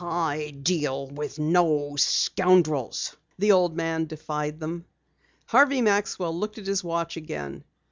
"I deal with no scoundrels!" the old man defied them. Harvey Maxwell looked at his watch again.